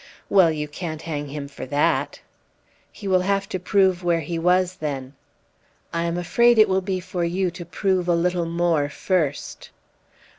"Well, you can't hang him for that." "He will have to prove where he was, then." "I am afraid it will be for you to prove a little more first."